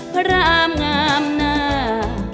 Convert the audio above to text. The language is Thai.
พระรามงามหน้า